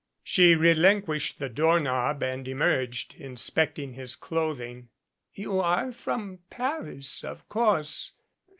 She relinquished the door knob and emerged, inspect ing his clothing. "You are from Paris, of course.